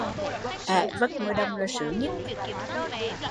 Ẻ vất ngoài đồng là sướng nhứt